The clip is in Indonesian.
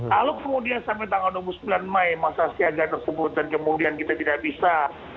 lalu kemudian sampai tanggal dua puluh sembilan mei masa siaga tersebut dan kemudian kita tidak bisa